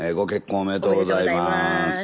おめでとうございます。